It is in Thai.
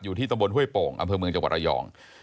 ที่ตำบลห้วยโป่งอำเภอเมืองจังหวัดระยอง